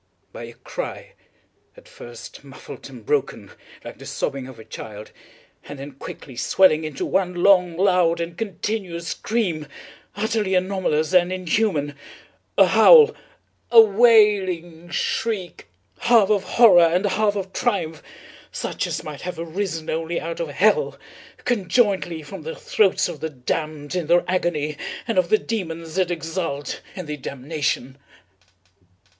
—by a cry, at first muffled and broken, like the sobbing of a child, and then quickly swelling into one long, loud, and continuous scream, utterly anomalous and inhuman—a howl—a wailing shriek, half of horror and half of triumph, such as might have arisen only out of hell, conjointly from the throats of the damned in their agony and of the demons that exult in the damnation.